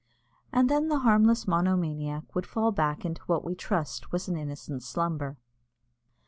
And then the harmless monomaniac would fall back into what we trust was an innocent slumber.